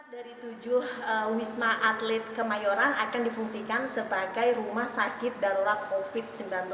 empat dari tujuh wisma atlet kemayoran akan difungsikan sebagai rumah sakit darurat covid sembilan belas